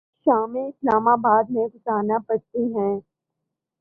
شامیں Islamabad میں گزارنا پڑتی ہیں۔